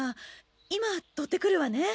今取ってくるわね！